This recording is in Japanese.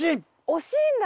惜しいんだ。